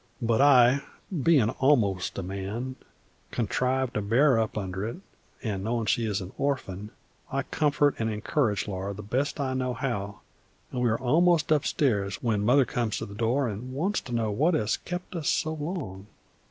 But I, bein' almost a man, contrive to bear up under it, and knowin' she is an orph'n, I comfort an' encourage Laura the best I know how, and we are almost up stairs when Mother comes to the door and wants to know what has kep' us so long.